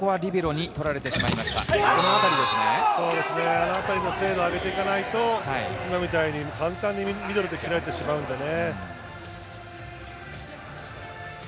あのあたりの精度を上げていかないと、今みたいに簡単にミドルで決められてしまうのでね。